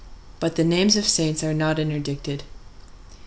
But the names of saints are not interdicted.